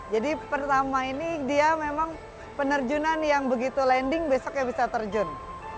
jadi pertama ini dia memang penerjunan yang begitu landing besoknya bisa terjun